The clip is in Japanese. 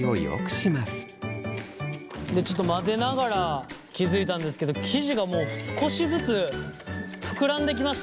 ちょっと混ぜながら気付いたんですけど生地がもう少しずつふくらんできました。